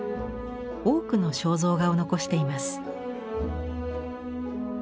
多くの肖像画を残しています。